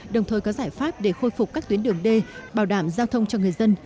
đồng thời có giải pháp để khôi phục các tuyến đường đê bảo đảm giao thông cho người dân